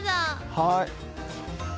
はい。